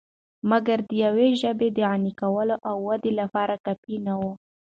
مګر دا دیوې ژبې د غني کولو او ودې لپاره کافی نه وو .